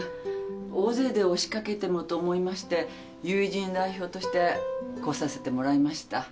大勢で押し掛けてもと思いまして友人代表として来させてもらいました。